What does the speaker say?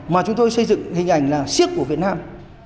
mà chúng tôi xây dựng hình ảnh là siếc của việt nam